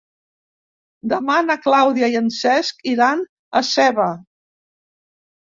Demà na Clàudia i en Cesc iran a Seva.